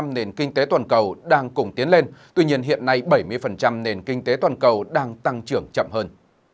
bảy mươi nền kinh tế toàn cầu đang cùng tiến lên tuy nhiên hiện nay bảy mươi nền kinh tế toàn cầu đang tăng trưởng chậm hơn